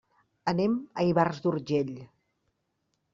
Anem a Ivars d'Urgell.